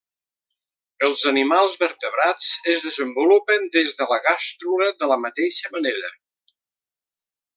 Els animals vertebrats es desenvolupen des de la gàstrula de la mateixa manera.